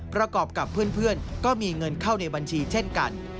ประกอบกับเพื่อนก็มีเงินเข้าในบัญชีเช่นกัน